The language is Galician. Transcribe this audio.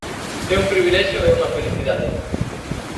É un privilexio e unha felicidade.